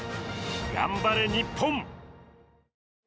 頑張れ、日本！